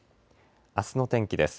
あすの天気です。